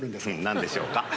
何でしょうか？